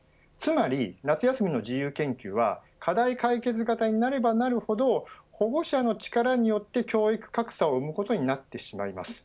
つまり夏休みの自由研究は課題解決型になればなるほど保護者の力によって教育格差を生むことになってしまいます。